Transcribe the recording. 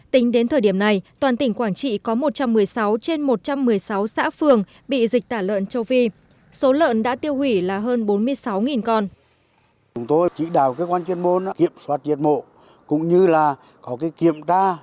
tính đến thời điểm này toàn tỉnh quảng trị có một trăm một mươi sáu trên một trăm một mươi sáu xã phường bị dịch tả lợn châu phi số lợn đã tiêu hủy là hơn bốn mươi sáu con